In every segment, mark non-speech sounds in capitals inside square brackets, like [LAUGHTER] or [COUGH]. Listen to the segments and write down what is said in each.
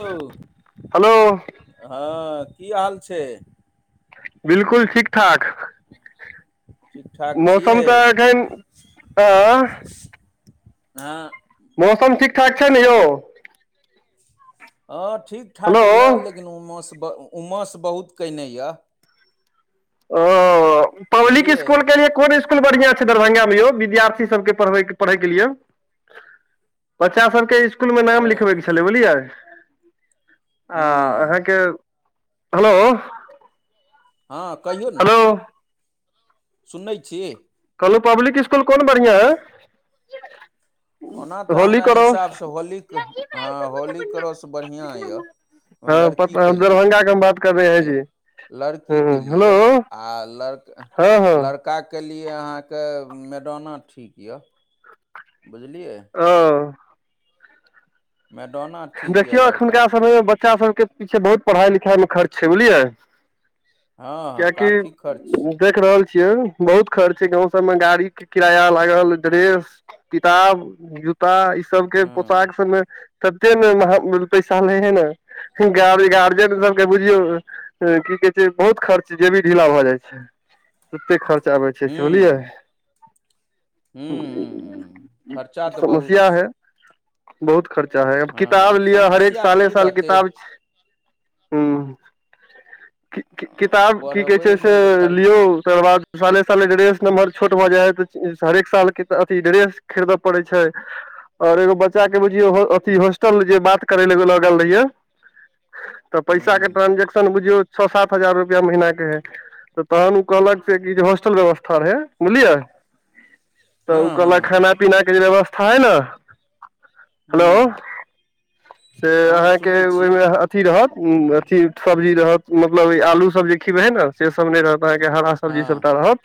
hello hello हँ की हाल छै बिलकुल ठीक ठाक ठीक ठाक छियै मौसम तऽ एखन आ हँ मौसम ठीकठाक छै ने यौ हँ ठीक ठाक हेलो यए लेकिन उमस उमस बहुत कयने यए ओ पब्लिक बुझलियै स्कुल के लि कोन बढ़ियां छै दरभंगा मे यौ विद्यार्थी सबके पढ़बै पढ़ै के लिए बच्चा सबके स्कूल मे पर नाम लिखबैके छलै बुझलियै आ हूँ अहाँके हेलो हँ कहियौ ने हेलो सुनैत छी कहलहुँ पब्लिक स्कूल कोन बढ़िआं है ओना तऽ होली हमरा क्रॉस हिसाबसँ होलीक हँ होली क रस बढ़िआँ यए लड़की हम दरभंगा के बात कर रहे है लड़की के लिए लड़का हँ हँ पक्काके लिए अहाँके मैदाना ठीक यऽ बुझलियै ह मैडोना ठीक यऽ देखियौ एखुनका लड़काके समयमे लेल बच्चा सभके पीछे बहुत पढ़ाई-लिखाई लिखाइमे खर्च छै बुझलियै हँ हँ क्य काफी खर्च क देख रहल छियै बहुत खर्च गाँंव सब में गाड़ी के किराया लागल ड्रेस किताब जूता ई सबके हँ पोशाक सबमे कते ने पैसा ले हे ने गार्जियन सबके बुझियौ की कहै छै बहुत खर्च जे भी ढीला भऽ जाइ छै ओतेक खर्चा आबै छै सेझलियै हूँ हूँ हूँ खर्चा तऽ बहुत समस्या छै है बहुत खर्चा है अब हँ किताब लिअ हरेक समस्या साले की साल रहतै किताब छै ह किताब की कहै छै से पढ़बैमे तऽ खर्च लियौ तकर बाद साले साले ड्रेस नम्हर छोट भऽ जाय है त हरेक साल के अथी ड्रेस खरीदय पड़ैत छै और एगो बच्चा के बुझियऔ अथी हूँ होॉस्टल जे बात करे ले एगो लगल रहिये तऽ पैसा के हूँ ट्रांजेक्शन बुझियौ छओ सात हजार रुपआ महीनाक के है तऽ तहन ओ कहलक से कि जे हॉस्टल व्यवस्था रहै बुझलियै तऽ ओ हँ हँ कहलखीनखाना पीनाके जे व्यवस्था हइ ने हेलो हँ से अहाँके सुनै छी ओहिमे अथी रहत अथी सब्जी रहत मतलब आलू सब जे खिब है ने से सब नहि रहत अहाँके हरा सब्जी हँ सबटा रहत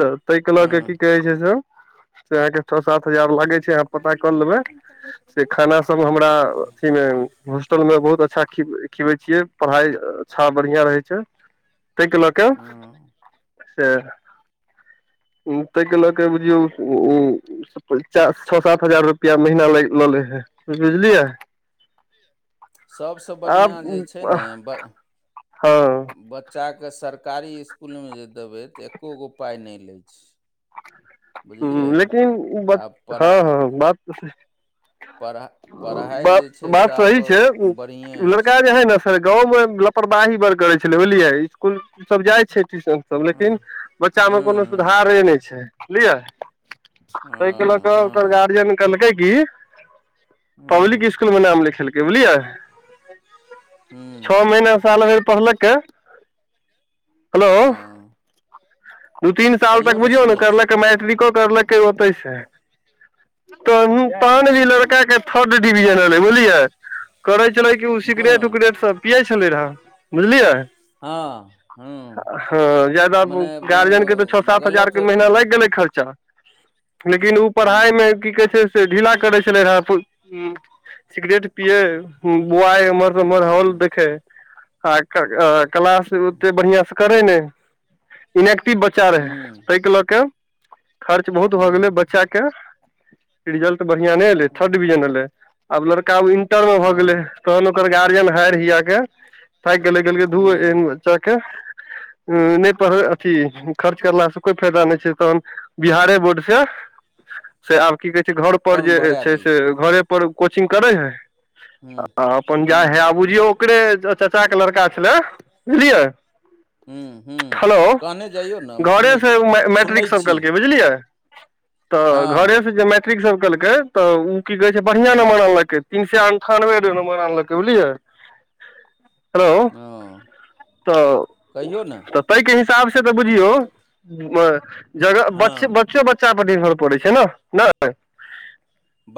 तऽ ताहि के लऽ क की हँ कहै छै से से अहाँ के छओ सात हजार लागे छै अह पता क लेबे से खाना सब हमरा अथी मे होस्टल में बहुत अच्छा ख खिबे छियै पढ़ाई अच्छा बढ़िया रहे छै ताहि के लऽ क हँ से ताहिके लऽ कऽ बुझियौ ओ छह सात हजार रुपया महीना ल लऽ ले हे बुझलियै सभसँ आब बढ़िआँ जे छै ने हँ बच्चाके सरकारी स्कूलमे जे देबै तऽ एकको गो पाइ नहि लै छै ह बुझलियै लेकिन ब आ हँ परा हँ बात तऽ सहि छै पढ़ा पढ़ाइ जे छै से बात आब सही छै बढ़िएँ अछि लड़का जे है गाँवमे लापरवाही बड़ करै छलै बुझलियै स्कूल सब जाइ छै ट्यूशन सब हँ लेकिन बच्चा मे कोनो हँ सुधारे नहि छै बुझलियै हँ ताहि के लऽ क हँ गार्जियन लकैकी पब्लिक हँ इसकुल मे नाम लिखेलकै बुझलिय छह हँ महीना साल भेर पड़लके हँ दू तीन साल तक कहियो बुझियौ ने सुनै छी करलकै मैट्रिको करलकै ओतैसँ तऽ तहन भी हँ लड़का के थर्ड डिविजन एलै बुझलियै करै छी छल क ओ सिगरेट हँ उगरेट सब पियै छलै रहे बुझलियै हँ हँ हँ ज्यादा मने गार्जियन के तऽ छओ सात हजार गलत के महीना हूँ लागि गेलै खर्चा लेकिन ओ पढ़ाइ हूँ मे की कहै छै ढीला करे छले हे सिगरेट पियए बुयात मोल हूँ देखे आ क्लास ओते बढ़िया से करे ने इनेक्टिव बच्चा रहे हूँ ताहि के लऽ के खर्च बहुत भए गेले हूँ बच्चा के रिजल्ट बढ़िआ नहि एलै थर्ड डिविजन एलै आब लड़का र मे भऽ गेले हँ तहन ओकर गार्जियन हारि हिया के साइक गेलै ध हूँ बच्चाके नहि पढ़ ठी खर्च करलासँ कोइ फायदा नहि छै तहन बिहारे बोर्ड से से आब की कहै छै घर पर फॉर्म जे भरा छै से देलखिन घरे पर कोचिंग करे हय हूँ आ अपन जा हे हूँ आ बुझियौ ओकरे चाचा के लड़का छले बुझलियै हूँ हूँ कहने जइयौ ने हम सुनै घरेसँ ओ मै सुनै मैट्रिकसभ छी कलकै बुझलियै तऽ हँ घरेसँ जे मैट्रिक सब केलकै तऽ ओ की कहै छै बढ़िआँ हूँ मंबर अंलकै तीन से अन्ठानबे नंबर आनलकै बुझलियै हेलो हँ तऽ कहियौ ने त ताहि के हिसाब से तऽ बुझियौ जग हँ बच्चो ब ापट भर पड़ै छै ने नहि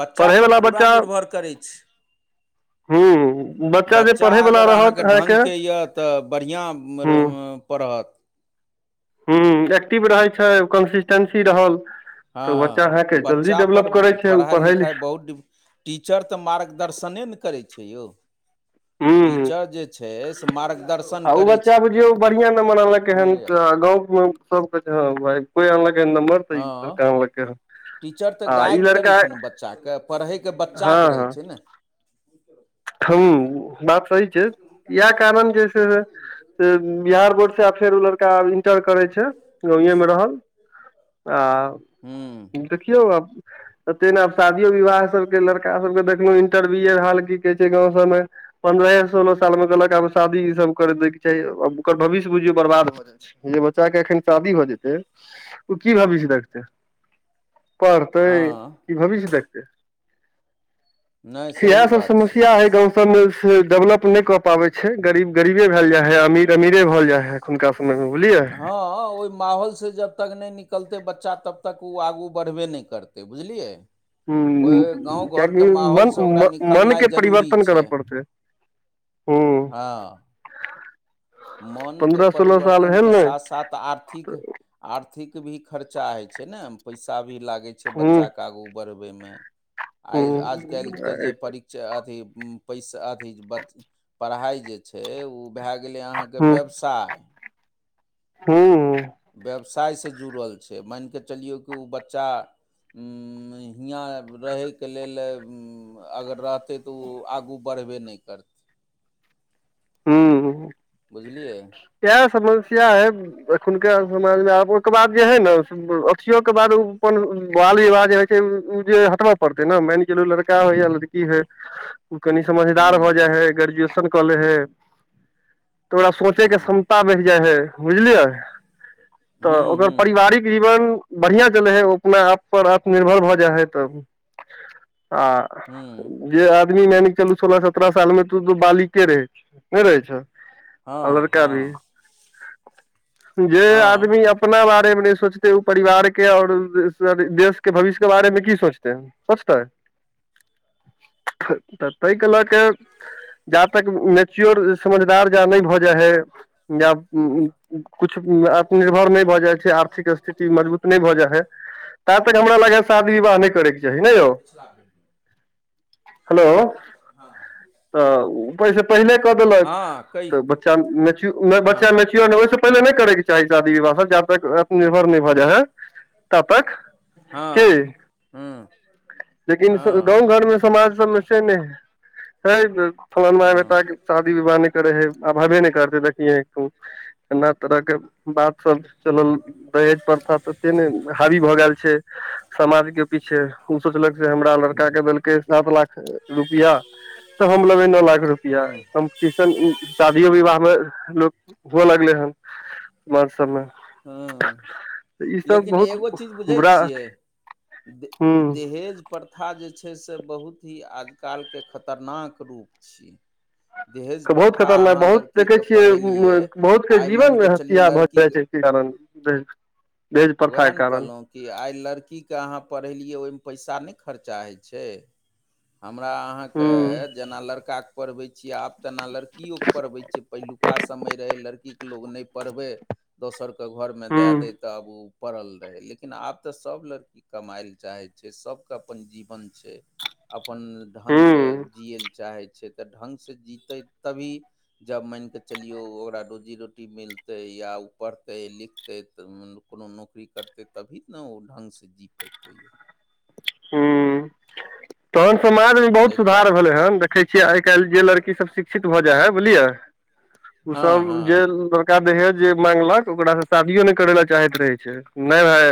बच्चापर पूरा निर्भर करै छै हूँ जे बच्चा पढ़यवला अगर रहत अहाँके ढंगके यए तऽ बढ़िआँ हूँ पढ़त ह्म एक्टिव रहै छै कन्सिस्टेंसी रहल तऽ बच्चा हँ अहाँके जल्दी बच्चापर डेवलप करै छै ओ पढ़ाई पढ़ै लिखाई लिख बहुत डिफ टीचर तऽ मार्गदर्शन ने करै छै यौ हूँ हूँ टीचर जे छै मार्गदर्श आ ओ बच्चा बुझियौ बढ़िआँ नंबर अंलकै हन नहि आयल तऽ गाँवमे सब कह ह कोइ आनलकै नम्बर तऽ हँ आनलकै ह [UNINTELLIGIBLE] टीचर तऽ गाइड करै छै ने बच्चाके पढ़ैके बच्चाके रहै छै ने ह बाप सी छै इएह कारण जे बिहार बोर्ड से फेर लड़ा करै छै गामे रहल आ हूँ देखियौ आब त ते ने आब शादियो विवाह सबके लड़का सबके देखलहु इंटरव्यू रहल कहै छै गाँव सममे पन्द्रह सोलह साल मे कहलक आब शादी ई सब करे दय के चाही ओकर भविष्य बुझियौ बर्बाद भऽ जाय छै जे बच्चाके एखन शादी भऽ जेतै ओ की भविष्य देखतै पढ़तै हँ क भविष्य देखतै नहि सही इएह सब बात समस्या छै गाँं सब मे डेवलप नहि क पाबे छै गरीब गरीबे भ भेल जाय है अमीर अमीरे भल जाय है खननका हँ हँ ओहि माहौल से जबतक नहि निकलतै बच्चा तबतक ओ आगू बढ़बे नहि करतै बुझलियै हूँ ओहि गाँव कियाकि घरके मन माहौलसँ ओकरा मन निकलनाइ के जरूरी परिवर्तन छै करऽ पड़तै हूँ हँ मनके पन्द्रह सोलह साल भेल परिवर्तनके ने साथ साथ आर्थिक आर्थिक भी खर्चा होइ छै ने पैसा भी लागै छै हूँ बच्चाके आगू पढ़बे मे आ इएह आज काल के जे प पढ़ाई जे छै उ भै गेलय यै के व्यवसाय हूं व्यवसायसँ जुड़ल छै मानि कऽ चलियौ कि ओ बच्चा हियाँ रहैके लेल अगर रहतै तऽ ओ आगू बढ़बे नहि करतै हूँ बुझलियै इ है समस्या है एखुनका समाज मे आब ओहिके बाद जे है ने अथियो के बाद ओ अपन बाल विवाह हइ छै ओ जे हटबऽ पड़ते ने मान चलो लड़का होय या लड़की होय [INAUDIBLE] ओ कनि समझदार भऽ हूँ जाइ हय ग्रेजुएशन कऽ ले हय तऽ ओकरा सोचेके हँ क्षमता बढ़ जाइ हय बुझलियै तऽ हूँ ओकर हूँ पारिवारिक जीवन बढ़िआँ चलै हय अपना आप पर आत्मनिर्भर भऽ जाइ हइ तब आ हूँ जे आदमी मान के चलू सोलह सत्रह साल मे तो बालिके रहे छ नहि रहै छ हँ हँ जे हँ आदमी अप अपना बारे मे न सोचते उ परिवार के और देश के भविष्य के बारे में की सोचते है कसर तऽ ताहिके लऽ क जा तक चोर समझदार ज नहि भऽ जाइ है यब उ कछु आत्मनिर्भर नहि भऽ जाइ छै आर्थिक स्थिति मजबूत नहि भऽ जाइ हइ ता तक हमरा लागैया शादी विवाह नहि करैके चाही ने यौ छी हेलो हँ तऽ ओ पैसे पहिले कऽ देलक हँ कहि तऽ बच्चा बच्चा हँ मेच्योर ह ओहिसँ पहिले नहि करयके चाही शादी विवाह जाब तक निर्भर नहि भऽ जाय ह तब तक हँ की हँ लेकिन हँ गाँंव घर मे समाज सबमे से नहि है फा बढ़ हँ शादी विबाह करे है अभावे नहि करते देखिये एना तरह के बात सब चलल दहेज प्रथा तते ने हावी भऽ गेल छै समाज के पीछे ओ सोचलक से हमरा लड़का के देलकै सात लाख रुपआ तऽ हम लेबै नओ लाख रुपआ हँ कम्पटिशन शादियो विवाह मे लोक ओहो लगले ह सम सममे हँ लेकिन बहुत एगो चीज बुझै बुरा छियै द हूँ दहेज प्रथा जे छै से बहुत ही आजकलके खतरनाक रूप छियै दहेज बहुत प्रथा खतरनाक अहाँ बहुत देखै लड़कीकेँ छियै पढ़ेलियै बहुतके आइ मानि जीवन कऽ चलियौ हत्या भऽ लड़कीके [UNINTELLIGIBLE] उएह प्रथाके ने कारण कहलहुँ कि आइ लड़कीकेँ अहाँ पढ़ेलियै ओहिमे पैसा नहि खर्चा होइ छै हमरा अहाँके हूँ जेना लड़का पढ़बै छियै आब तेना लड़किोकेँ पढ़बै छियै पहिलुका समय रहै लड़कीके लोक नहि पढ़बै दोसरकेँ घरमे हूँ दए दै तऽ आब ओ पड़ल रहै लेकिन आब तऽ सभ लड़की कमाय लए चाहै छै सबके अपन जीवन छै अपन ढंसँ हूँ जिययै लए चाहै छै तऽ ढङ्गसँ जीतै तभी जब मनि कऽ चलियौ ओकरा रोजी रोटी मिलतै या ओ पढ़तै लिखतै तऽ कोनो नौकरी करतै तभी ने ओ ढङ्गसँ जी पएतै यौ ह तहन समाज मे बहुत ताहिके सुधार भेलै हन देख देखै छियै आइ काल्हि जे लड़की सब शिक्षित भऽ जाइ है बुझलिये ओ हँ सब जे हँ देहज जे मांगलक ओकरा से शादियो नहि करे लए चाहैत रहे छै नहि भाय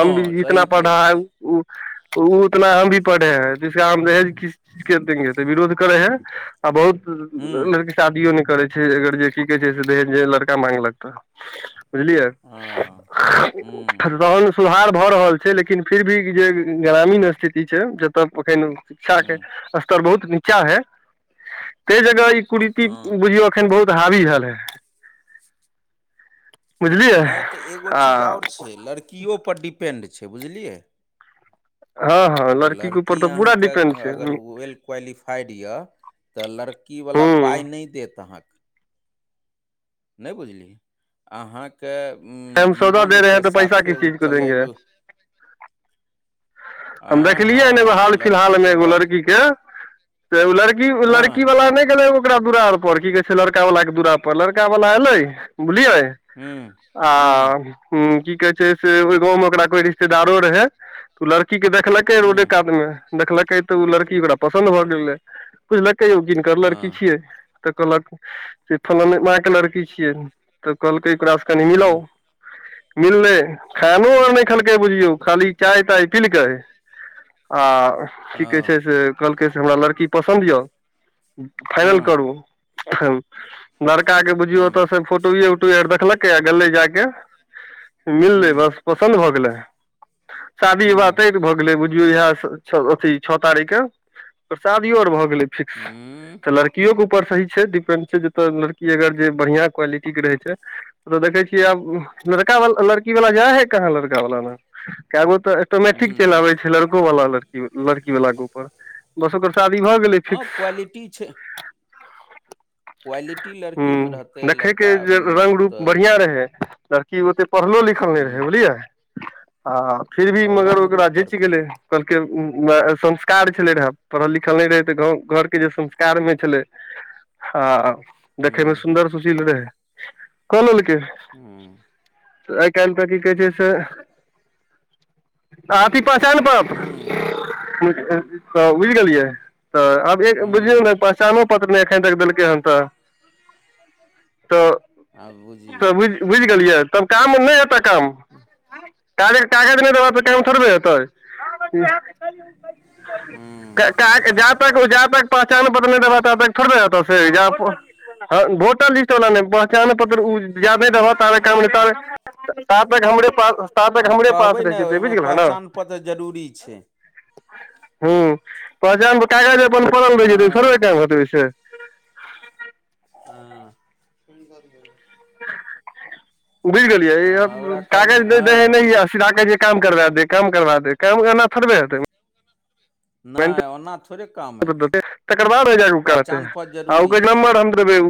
हम भी सही जितना कहै पढ़ा है छी ओ ओ उतना हम भी पढ़े हैं जिसका हम दहेज किस चीज के देंगे तऽ विरोध करे हैं ह हूँ बहुत शादियो नहि करै छै अगर जे की कहै छैे जे लड़का माग लक तऽ बुझलियै हँ हूँ तहन सुधार भऽ रहल छै लेकिन फिर भी जे ग्रामीण स्थिति छै जतय एखन शिक्षा के हूँ स्तर बहुत नि चा है ताहि जगह ई कुरीति हँ बुझियौ अखन बहुत हावी भेल हइ बुझलियै नहि तऽ एगो चीज आ आओर छै लड़कियो पर डिपेन्ड छै बुझलियै हँ हँ लड़कीे ऊपर तऽ पूरा डिपेंड छै कुवायली फाइड ये त लड़की वाला पाइ हूँ नहि देत आँहा के नहि बुझली अहाँके हम सौदा दे रहे हैं जीवनके तो पैसा साथे किस ओ चीज को देंगे चलयवला हम आँय देखलियैन एगो हँ हाल लड़की फिलहालमे जब एगो आ- लड़की‌ के से ओ लड़की लड़की हँ वाला नहि ओकरा दुराअर पर पर की कहै छै लड़का वाला के दुरा पर लड़का वाला एलै बुझलियै हूँ आ हूँ ह की कहे छै से ओहि गाँव में ओकरा कोई रिश्तेदारो रहै तऽ ओ लड़की देखलकै रोडे हूँ कातमे देखलकै तऽ ओ लड़की ओकरा पसन्द भऽ गेलै बुझलकै यौ किनकर लड़की हँ छियै तऽ कहलक से फलान मा के लड़की छियै तऽ कहलकै ओकरासे कनि मिलो हूँ मिलले खानो आर नहि देखलकै बुझियौ खाली चाय ताय पीलकै आ की कहै छै हँ से कहलकै से हमरा लड़की पसन्द यऽ फाइनल हँ करू लड़का के बुझियौ हूँ ओतऽ से फोटोए उटो आर देखलकै आ गले जाइे हूँ मिललै बस पसन्द भऽ गेलै शादी विवाह हूँ तय भऽ गेलै बुझियौ इह अथी छओ तारीख के शादियै आर भए गेले [UNINTELLIGIBLE] फिक्स हूँ तऽ लड़कीयोके ऊपर सही छै डिपेंड छै जतय लड़की अगर जे बढ़िया क्वालिटी के रहै छै तऽ देखै छियै आब लड़का वाल लड़की वाला जाय है कहाँ लड़का वाला लग केगो तऽ तऽ मैट्रिक चलि हूँ आबै छै लड़को वाला लड़की लड़की वलाके ऊपर बस ओकर शादी भऽ गेलै हँ फिक्स क्वालिटी छै क्वालिटी हु लड़की मे रहतै देखैके लड़का जे रंग रूप तऽ बढिआँ रहै कि ओते पढ़लो लिखल नहि रहै हूँ बुझलियै आ फिर भी मगर रंग ओकरा रूप पर ज‌एच गेलै केलकै कहलकै संस्कार छलै रहे पढ़ल लिखल नहि रहै तऽ गाँव घरके जे संस्कार मे छलै हँ देखेमे हूँ सुन्दर सुशील रहैए कलेलकै हूँ आइ काल्हि तऽ की कहै छै से अथी पहचान हूँ पत्र तऽ बुझि गेलियै त आभी एक बुझिय हूँ प शामो पत्र नहि एखन तक देलकै हन तऽ तऽ आब बुझिइ तऽ बुझि बुझि गेलियै तब काम नहि हेतै कम [INAUDIBLE] गाड़ि के कागज नहि देबऽ तऽ काम थोड़े होेतै हूँ जा तक जा तक प [UNINTELLIGIBLE] जा तक पहचान पत्र नहि द देबा ता तक थोड़बे है-तो काज हँ वोटर लिस्ट वला ने पहचान पत्र उ जा नाहि देबहौ ता तक हमरे प ता तक हँ हमरे पास कहबै रहै ने छै ओहिमे पहचान पत्र जरूरी छै हूँ पहचान कागज अपन फम भे जेतै ओ हँ थोड़बे टाइम हेतै ओहिसँ ह [UNINTELLIGIBLE] उ बुझि गेलियै ओकरा कहबै कागज दे त‌इ हँ नहिये आ सिधा काम करबा देब कम करबा देब काम ऐना थड़बे हेतै उ त [UNINTELLIGIBLE] तकर बाद कहते आर पहचान [UNINTELLIGIBLE] पत्र जरूरी देब छै [UNINTELLIGIBLE]